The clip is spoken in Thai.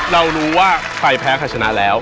เรารู้ว่าใครแพ้ใครชนะแล้ว